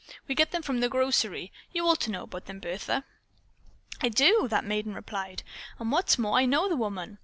We get them from the grocery. You ought to know about them, Bertha." "I do," that maiden replied, "and, what's more, I know the woman.